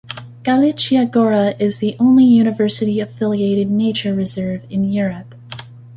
Galichya Gora is the only university-affiliated nature reserve in Europe.